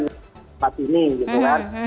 di pasini gitu kan